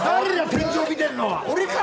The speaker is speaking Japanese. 天井見てんのは俺か？